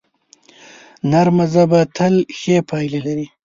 نرمه ژبه تل ښې پایلې لري